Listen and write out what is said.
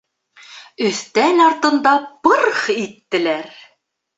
Өҫтәл артында пырх иттеләр.